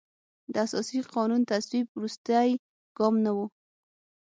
د اساسي قانون تصویب وروستی ګام نه و.